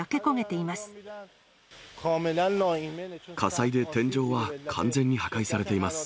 火災で天井は完全に破壊されています。